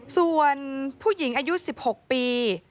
ส่วนผู้หญิงอายุ๑๖ปี